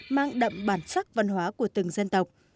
mang đậm bản sắc văn hóa của từng dân tộc